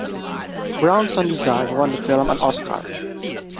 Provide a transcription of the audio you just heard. Brown's sound design won the film an Oscar.